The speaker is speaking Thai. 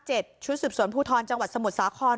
ชุดสืบสวนภูทรจังหวัดสมุทรสาคร